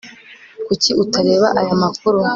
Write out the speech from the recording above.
kuki utareba aya makuru